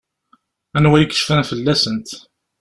Anwa i yecfan fell-asent?